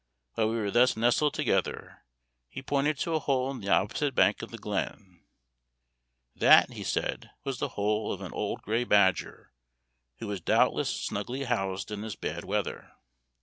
While we were thus nestled together, he pointed to a hole in the opposite bank of the glen. That, he said, was the hole of an old gray badger, who was doubtless snugly housed in this bad weather.